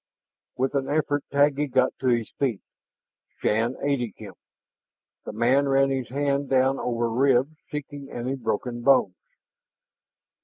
With an effort, Taggi got to his feet, Shann aiding him. The man ran his hand down over ribs, seeking any broken bones.